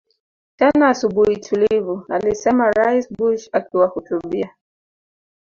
tena asubuhi tulivu alisema Rais Bush akiwahutubia